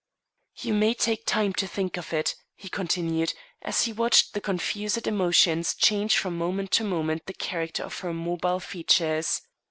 "You may take time to think of it," he continued, as he watched the confused emotions change from moment to moment the character of her mobile features.